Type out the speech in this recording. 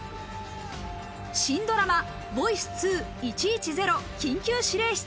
新ドラマ『ボイス２１１０緊急指令室』。